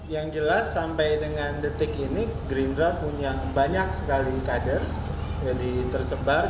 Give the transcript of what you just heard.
yang jelas sampai dengan detik ini gerindra punya banyak sekali kader jadi tersebar